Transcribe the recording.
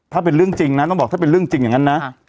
ถ้าเป็นเรื่องจริงนะต้องบอกถ้าเป็นเรื่องจริงอย่างนั้นนะ